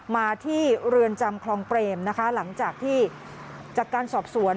มาที่เรือนจำคลองเปรมนะคะหลังจากที่จากการสอบสวน